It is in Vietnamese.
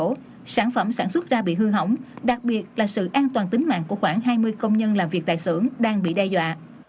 các sản phẩm sản xuất ra bị hư hỏng đặc biệt là sự an toàn tính mạng của khoảng hai mươi công nhân làm việc tại xưởng đang bị đe dọa